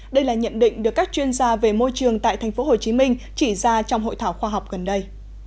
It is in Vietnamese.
đây là nhận định được các chuyên gia về môi trường tại tp hcm chỉ ra trong hội thảo khoa học gần đây